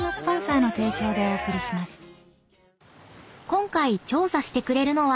［今回調査してくれるのは］